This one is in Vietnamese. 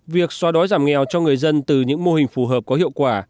việc so đoán giảm nghèo cho người dân từ những mô hình phù hợp có hiệu quả